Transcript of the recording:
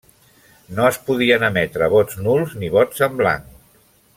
No es podien emetre vots nuls ni vots en blanc.